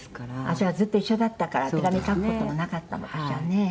黒柳：ずっと一緒だったから手紙書く事もなかったのかしらね。